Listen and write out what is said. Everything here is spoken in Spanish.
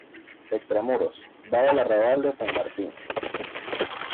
Extramuros, daba al arrabal de San Martín.